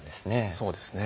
そうですね。